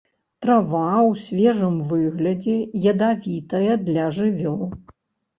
Трава ў свежым выглядзе ядавітая для жывёл.